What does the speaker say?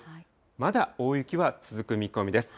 まだ大雪は続く見込みです。